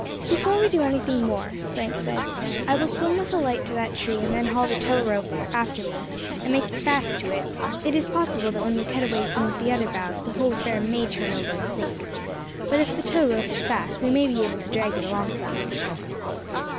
"Before we do anything more," Frank said, "I will swim with a light line to that tree, and then haul the tow rope after me, and make it fast to it; it is possible that when we cut away some of the other boughs the whole affair may turn over and sink, but if the tow rope is fast we may be able to drag it alongside."